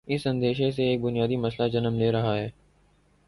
اس اندیشے سے ایک بنیادی مسئلہ جنم لے رہاہے۔